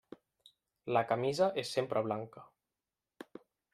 La camisa és sempre blanca.